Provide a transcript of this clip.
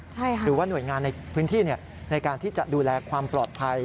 หรือว่าหน่วยงานในพื้นที่ในการที่จะดูแลความปลอดภัย